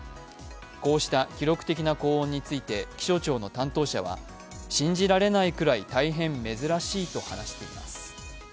こうした記録的な高温について気象庁の担当者は信じられないくらい大変珍しいと話しています。